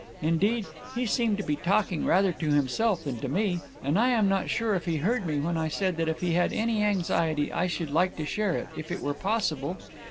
Indeed, he seemed to be talking rather to himself than to me, and I am not sure if he heard me when I said that if he had any anxiety I should like to share it, if it were possible.